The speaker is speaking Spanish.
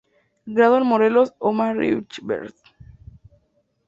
Grado en Morelos, Omar Rivera c.n.